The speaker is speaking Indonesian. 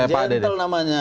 pandang yang jernitel namanya